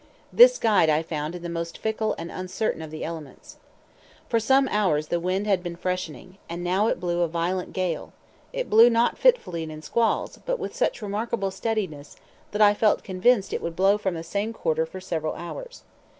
This guide I found in the most fickle and uncertain of the elements. For some hours the wind had been freshening, and it now blew a violent gale; it blew not fitfully and in squalls, but with such remarkable steadiness, that I felt convinced it would blow from the same quarter for several hours.